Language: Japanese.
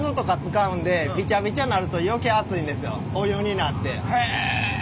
お湯になって。